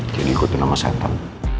jadi ikutin sama setahun